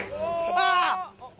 ああ！